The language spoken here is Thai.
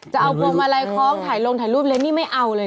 จะเอาพวงมาลัยคล้องถ่ายลงถ่ายรูปเลยนี่ไม่เอาเลยนะ